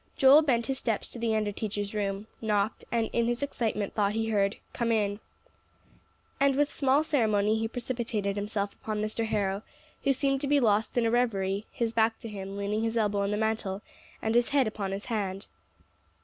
Joel bent his steps to the under teacher's room, knocked, and in his excitement thought he heard, "Come in." And with small ceremony he precipitated himself upon Mr. Harrow, who seemed to be lost in a revery, his back to him, leaning his elbow on the mantel, and his head upon his hand.